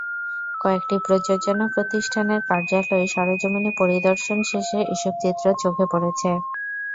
কয়েকটি প্রযোজনা প্রতিষ্ঠানের কার্যালয় সরেজমিনে পরিদর্শন শেষে এসব চিত্র চোখে পড়েছে।